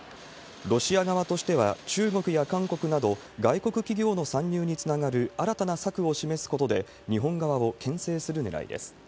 ロシア側としては、中国や韓国など、外国企業の参入につながる新たな策を示すことで、日本側をけん制するねらいです。